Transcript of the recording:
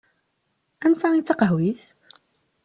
Anta i d taqehwit?